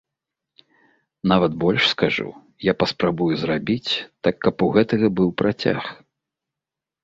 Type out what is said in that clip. Нават больш скажу, я паспрабую зрабіць так, каб у гэтага быў працяг.